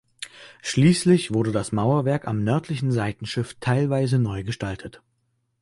Schließlich wurde das Mauerwerk am nördlichen Seitenschiff teilweise neu gestaltet.